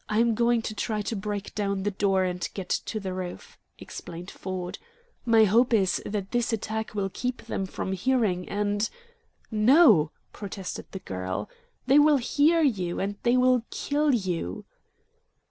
"I'm going to try to break down the door and get to the roof," explained Ford. "My hope is that this attack will keep them from hearing, and " "No," protested the girl. "They will hear you, and they will kill you."